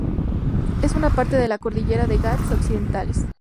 Es una parte de la cordillera de los Ghats occidentales.